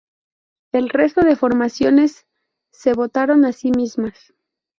El resto de formaciones se votaron a sí mismas.